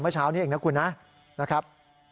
เมื่อเช้านี้เองนะคุณนะครับ